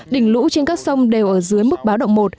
đỉnh lũ trên các sông đều ở dưới mức báo động một